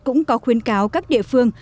cũng có khuyến cáo các địa phương